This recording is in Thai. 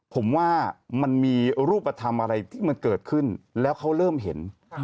ผมว่ามันมีรูปธรรมอะไรที่มันเกิดขึ้นแล้วเขาเริ่มเห็น